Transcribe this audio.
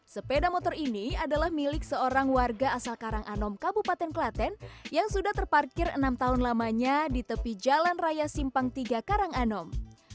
sepeda motor ini adalah milik seorang warga asal karanganom kabupaten klaten yang sudah terparkir enam tahun lamanya di tepi jalan raya simpang tiga karanganom